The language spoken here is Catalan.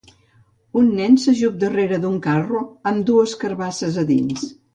Un nen s'ajup darrere d'un carro amb dues carbasses a dins.